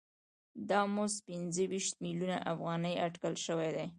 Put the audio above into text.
دا مزد پنځه ویشت میلیونه افغانۍ اټکل شوی دی